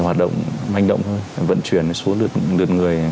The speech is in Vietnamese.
hoạt động hành động thôi vận chuyển xuống lượt người